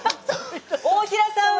大平さんは？